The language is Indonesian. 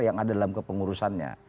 yang ada dalam kepengurusannya